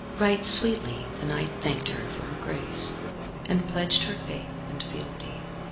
Right sweetly the knight thanked her for her grace, and pledged her faith and fealty.